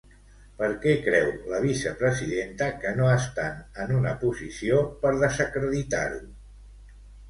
Per què creu la vicepresidenta que no estan en una posició per desacreditar-ho?